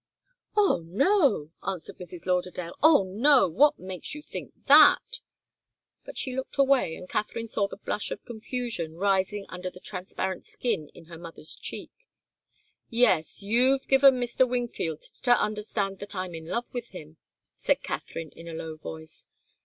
"Oh, no!" answered Mrs. Lauderdale. "Oh, no what makes you think that?" But she looked away, and Katharine saw the blush of confusion rising under the transparent skin in her mother's cheek. "Yes you've given Mr. Wingfield to understand that I'm in love with him," said Katharine, in a low voice.